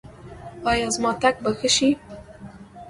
ایا زما تګ به ښه شي؟